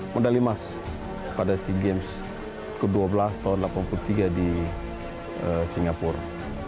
medali emas pada sea games ke dua belas tahun seribu sembilan ratus delapan puluh tiga di singapura